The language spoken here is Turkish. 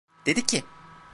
Dedi ki...